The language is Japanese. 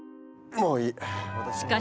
もういい！